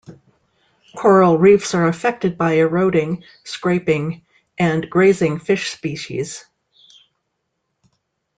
Coral reefs are affected by bioeroding, scraping, and grazing fish species.